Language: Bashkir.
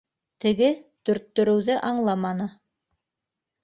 Теге төрттөрөүҙе аңламаны: